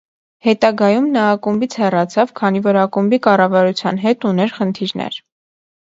Հետագայում նա ակումբից հեռացավ, քանի որ ակումբի կառավարության հետ ուներ խնդիրներ։